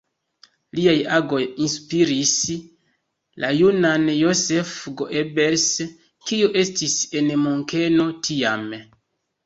Liaj agoj inspiris la junan Joseph Goebbels, kiu estis en Munkeno tiame.